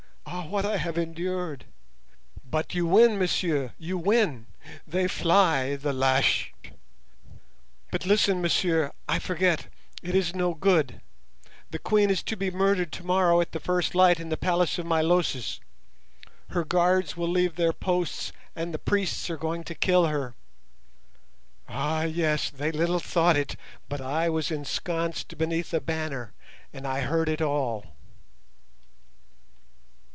Ah, what I have endured! But you win, monsieur, you win; they fly, the lâches. But listen, monsieur—I forget, it is no good; the Queen is to be murdered tomorrow at the first light in the palace of Milosis; her guards will leave their posts, and the priests are going to kill her. Ah yes! they little thought it, but I was ensconced beneath a banner, and I heard it all."